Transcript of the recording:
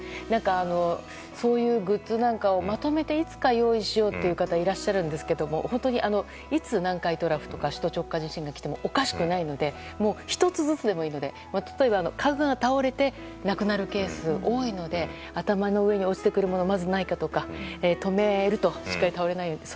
そういうグッズなんかをまとめていつか用意しようという方いらっしゃるんですけど本当にいつ、南海トラフとか首都直下地震が起きてもおかしくないので１つずつでもいいので家具が倒れて亡くなるケースが多いので頭の上に落ちてくるものがないかとか止めるとしっかり倒れないように。